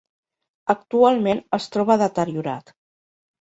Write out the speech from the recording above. Actualment es troba deteriorat.